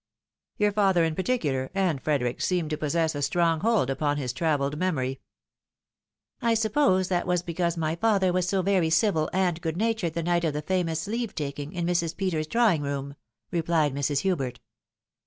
Your father, in particular, and Frederick seemed to possess a strong hold upon \as, travelled memory." " I suppose that was because my father was so very civil and good natured the night of the famous leave taking in Mrs. Peter's drawing room," replied Mrs. Hubert.